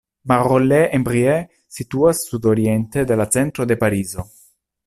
Marolles-en-Brie situas sudoriente de la centro de Parizo.